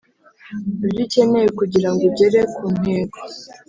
ibyo ukeneye kugirango ugere ku ntego